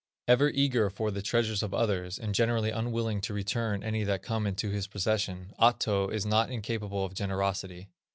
Ever eager for the treasures of others, and generally unwilling to return any that come into his possession, Ahto is not incapable of generosity.